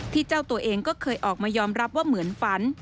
เจ้าตัวเองก็เคยออกมายอมรับว่าเหมือนฝัน